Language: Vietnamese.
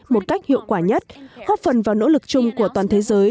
một cách hiệu quả nhất góp phần vào nỗ lực chung của toàn thế giới